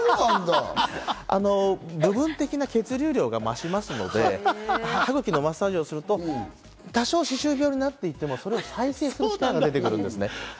部分的な血流量が増しますので、歯ぐきのマッサージをすると、多少歯周病になっていても、整えられるんですね。